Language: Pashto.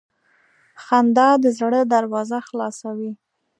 • خندا د زړه دروازه خلاصوي.